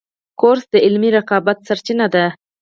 کورس د علمي رقابت سرچینه ده.